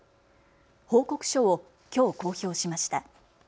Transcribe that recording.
報告書をきょう公表しました。